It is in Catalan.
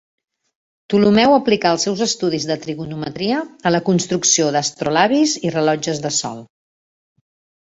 Ptolemeu aplicà els seus estudis de trigonometria a la construcció d'astrolabis i rellotges de sol.